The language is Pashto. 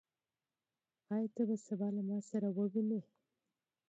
آيا ته به سبا له ما سره وګورې؟